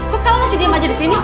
kok kamu masih diem aja di sini